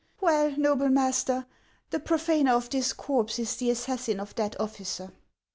" Well, noble master, the profaiier of this corpse is the assassin of that officer."